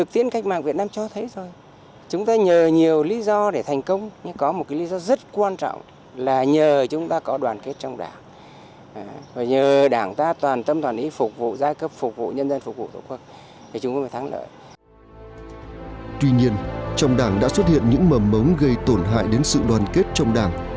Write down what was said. tuy nhiên trong đảng đã xuất hiện những mầm mống gây tổn hại đến sự đoàn kết trong đảng